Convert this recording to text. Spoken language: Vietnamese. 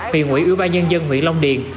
huyện hủy ủy ban nhân dân huyện long điện